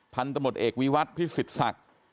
พันธมตเอกวิวัตรพิสิทธิ์ศักดิ์